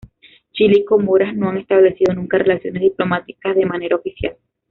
Chile y Comoras no han establecido nunca relaciones diplomáticas de manera oficial.